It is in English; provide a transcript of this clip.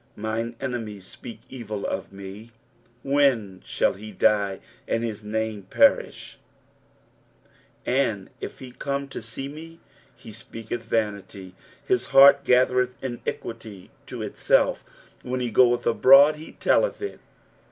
5 Mine enemies speak evil of me, When shall he die, and his name perish ? 6 And if he come to see me, he speaketh vanity : his heart gathereth iniquity to itself ; w/ien he goeth abroad, he telleth it.